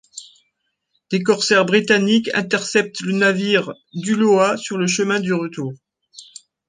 Des corsaires britanniques interceptent le navire d’Ulloa sur le chemin du retour.